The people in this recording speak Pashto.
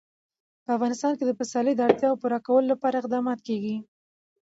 په افغانستان کې د پسرلی د اړتیاوو پوره کولو لپاره اقدامات کېږي.